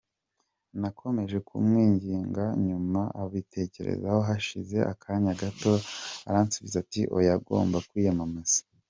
Nakomeje kumwinginga, nyuma abitekerezaho hashije akanya gato aransubiza ati ‘oya ngomba kwiyamamaza’.